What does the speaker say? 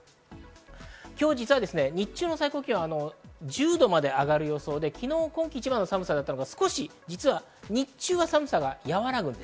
今日、実は日中の最高気温は１０度まで上がる予想で、昨日、今季一番の寒さだったのが、実は日中は寒さが和らぎます。